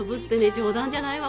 「冗談じゃないわ。